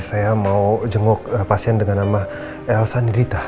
saya mau jenguk pasien dengan nama elsa nirita